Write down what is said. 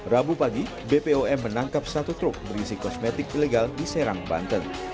rabu pagi bpom menangkap satu truk berisi kosmetik ilegal di serang banten